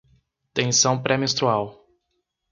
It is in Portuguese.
Tensão pré-menstrual